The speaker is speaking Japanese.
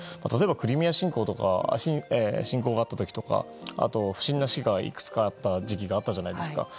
例えばクリミア侵攻があった時とか不審な死がいくつかあった時期があったじゃないですか。